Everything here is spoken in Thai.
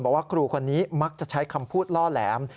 บอกว่าครูคนนี้มักจะใช้คำพูดล่อแหลม